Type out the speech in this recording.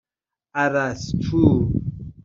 اَرسطو